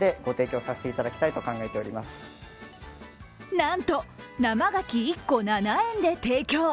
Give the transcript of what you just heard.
なんと生牡蠣１個７円で提供。